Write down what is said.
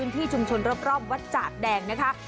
ที่ชุมชนรอบวัดจากแดงนะคะ